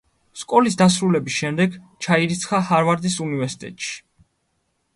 სკოლის დასრულების შემდეგ ჩაირიცხა ჰარვარდის უნივერსიტეტში.